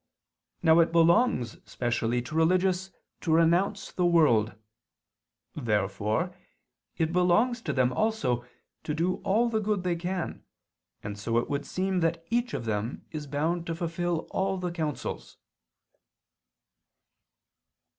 Now it belongs specially to religious to renounce the world. Therefore it belongs to them also to do all the good they can. and so it would seem that each of them is bound to fulfil all the counsels.